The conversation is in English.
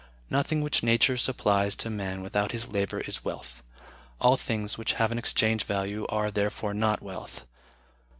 Nothing which Nature supplies to man without his labor is wealth.... All things which have an exchange value are, therefore, not wealth.